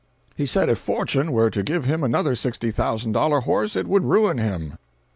He said if fortune were to give him another sixty thousand dollar horse it would ruin him. 323.